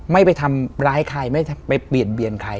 ไม่ไปทำร้ายใครไม่ไปเปลี่ยนเบียนใคร